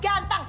nih rancang ini